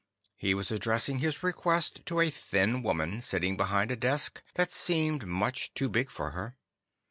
He was addressing his request to a thin woman sitting behind a desk that seemed much too big for her.